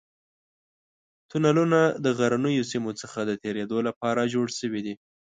تونلونه د غرنیو سیمو څخه د تېرېدو لپاره جوړ شوي دي.